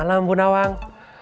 selamat malam bu nawang